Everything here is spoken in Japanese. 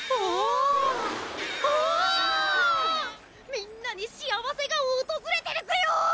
みんなにしあわせがおとずれてるぜよ！